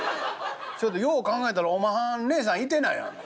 そやけどよう考えたらおまはん姉さんいてないやん。